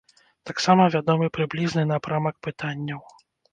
Таксама вядомы прыблізны напрамак пытанняў.